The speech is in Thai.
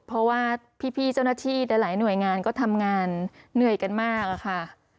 เพราะว่าพี่เจ้าหน้าที่หลายหน่วยงานก็ทำงานเหนื่อยกันมากอะค่ะ